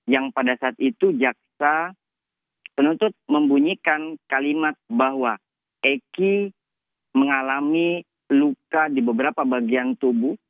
yang pada saat itu jaksa penuntut membunyikan kalimat bahwa eki mengalami luka di beberapa bagian tubuh